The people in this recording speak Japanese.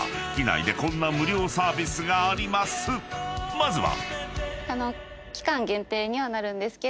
［まずは］